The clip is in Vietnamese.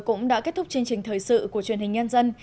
cũng đã kết thúc chương trình thời sự của truyền hình nhân dân